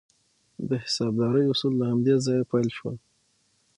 د حسابدارۍ اصول له همدې ځایه پیل شول.